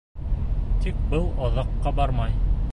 Тик был оҙаҡҡа бармай.